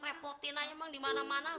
repotin aja emang dimana mana